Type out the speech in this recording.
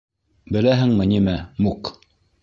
— Беләһеңме нимә, Мук?